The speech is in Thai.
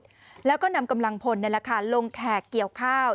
เป็นเหลือน้อยที่สุดแล้วก็นำกำลังผลในราคาลงแขกเกี่ยวข้าว